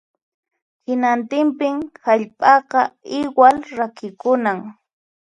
Hinantinpin hallp'aqa iwal rakikunan